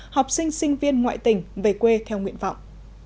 học sinh sinh viên ngoại tỉnh về quê theo nguyện vọng